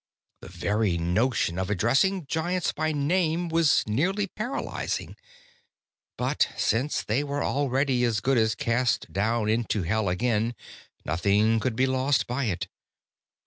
The very notion of addressing Giants by name was nearly paralyzing. But since they were already as good as cast down into Hell again, nothing could be lost by it.